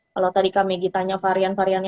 kalau tadi kak meggy tanya varian variannya